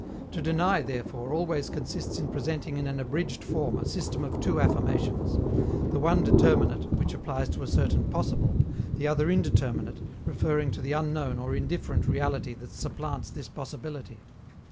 To deny, therefore, always consists in presenting in an abridged form a system of two affirmations: the one determinate, which applies to a certain possible; the other indeterminate, referring to the unknown or indifferent reality that supplants this possibility.